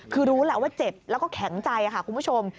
คือรู้แหละว่าเจ็บแล้วก็แข็งใจค่ะคุณผู้ชม